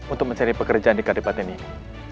untuk mencari pekerjaan di kabupaten ini